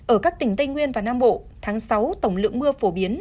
ở các tỉnh tây nguyên và nam bộ tháng sáu tổng lượng mưa phổ biến